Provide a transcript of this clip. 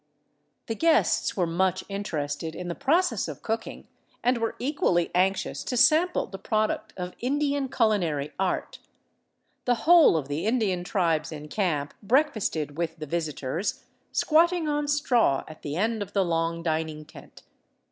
The guests were much interested in the process of cooking and were equally anxious to sample the product of Indian culinary art. The whole of the Indian tribes in camp breakfasted with the visitors, squatting on straw at the end of the long dining tent.